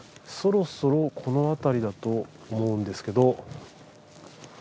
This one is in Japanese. そろそろこの辺りだと思うんですけど。